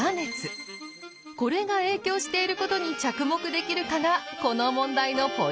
これが影響していることに着目できるかがこの問題のポイント！